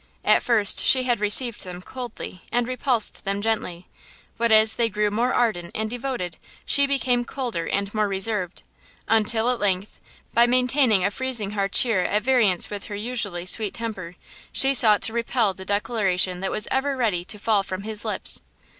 At first she had received them coldly and repulsed them gently; but as they grew more ardent and devoted she became colder and more reserved, until at length, by maintaining a freezing hauteur at variance with her usually sweet temper, she sought to repel the declaration that was ever ready to fall from his lips.